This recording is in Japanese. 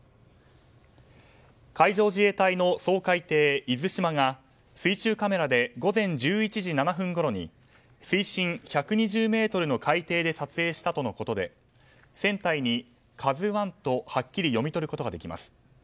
海上自衛隊の掃海艇が水中カメラで午前１１時７分ごろに水深１２０ｍの海底で撮影したとのことで船体に「ＫＡＺＵ１」とはっきり読み取ることができます。